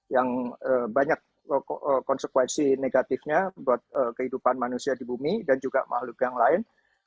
yang banyak konsekuensi negatifnya buat kehidupan manusia di bumi dan juga makhluk yang lain